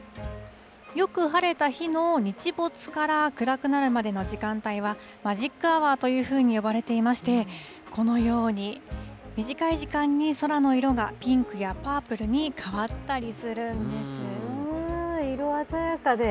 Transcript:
よく晴れた日の日没から暗くなるまでの時間帯は、マジックアワーというふうに呼ばれていまして、このように短い時間に空の色がピンクやパープルに変わったりする色鮮やかで。